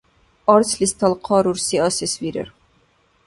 Арцлис талхъа рурсира асес вирар.